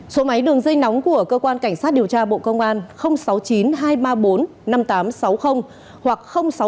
số máy đường dây nóng của cơ quan cảnh sát điều tra bộ công an sáu mươi chín hai trăm ba mươi bốn năm nghìn tám trăm sáu mươi hoặc sáu mươi chín hai trăm ba mươi hai một nghìn sáu trăm bảy